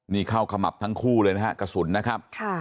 นี่เข้าขมับทั้งคู่เลยนะฮะกระสุนนะครับ